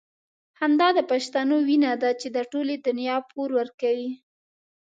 همدا د پښتنو وينه ده چې د ټولې دنيا پور ورکوي.